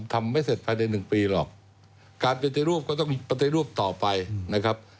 ไม่เสร็จภายในหนึ่งปีหรอกการปฏิรูปก็ต้องปฏิรูปต่อไปนะครับ